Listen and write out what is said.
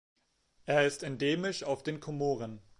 Er ist endemisch auf den Komoren.